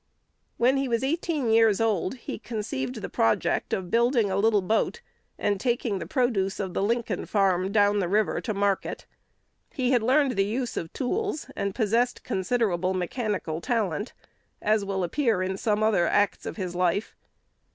"When he was eighteen years old, he conceived the project of building a little boat, and taking the produce of the Lincoln farm down the river to market. He had learned the use of tools, and possessed considerable mechanical talent, as will appear in some other acts of his life.